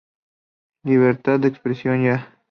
Libertad de Expresión Ya!